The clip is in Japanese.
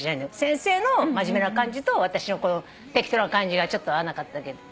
先生の真面目な感じと私のこの適当な感じがちょっと合わなかっただけで。